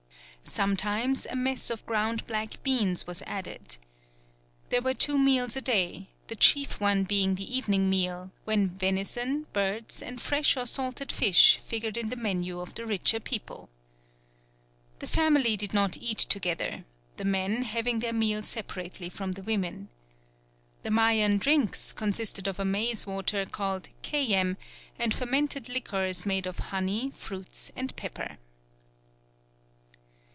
Sometimes a mess of ground black beans was added. There were two meals a day, the chief one being the evening meal, when venison, birds, and fresh or salted fish figured in the menu of the richer people. The family did not eat together: the men having their meal separately from the women. The Mayan drinks consisted of a maize water called keyem and fermented liquors made of honey, fruits, and pepper.